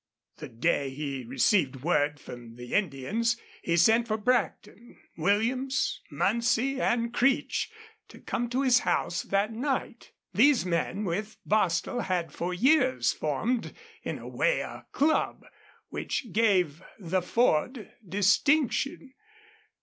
The day he received word from the Indians he sent for Brackton, Williams, Muncie, and Creech to come to his house that night. These men, with Bostil, had for years formed in a way a club, which gave the Ford distinction.